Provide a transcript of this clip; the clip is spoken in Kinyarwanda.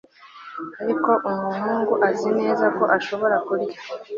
ariko umuhungu azi neza ko ashobora kurya